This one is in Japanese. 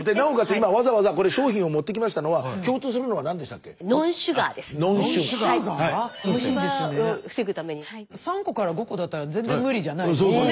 今わざわざこれ商品を持ってきましたのは３個から５個だったら全然無理じゃないですもんね。